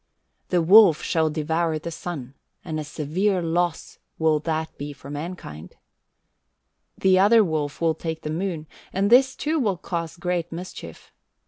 The wolf shall devour the sun, and a severe loss will that be for mankind. The other wolf will take the moon, and this too will cause great mischief.